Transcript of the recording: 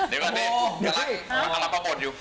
เดี๋ยวก่อนเด้นเดี๋ยวล่ะรับประโยชน์อยู่